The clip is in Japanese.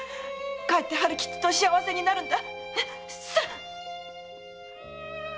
帰って春吉と幸せになるんだ！